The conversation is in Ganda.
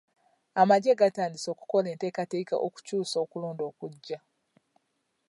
Amagye gatandise okukola enteekateeka okukyusa okulonda okujja.